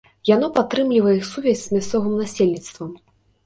Яно падтрымлівае іх сувязь з мясцовым насельніцтвам.